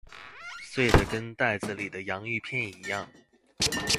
碎得跟袋子裡的洋芋片一樣